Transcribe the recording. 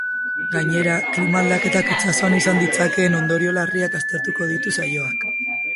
Gainera, klima aldaketak itsasoan izan ditzakeen ondorio larriak aztertuko ditu saioak.